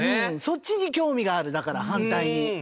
そっちに興味があるだから反対に。